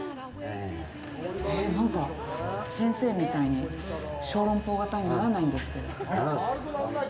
なんか先生みたいに、小篭包型にならないんですけど。